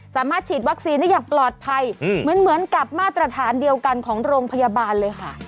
สามารถฉีดวัคซีนได้อย่างปลอดภัยเหมือนกับมาตรฐานเดียวกันของโรงพยาบาลเลยค่ะ